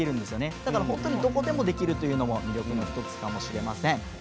だから本当にどこでもできるというのが魅力の１つかもしれません。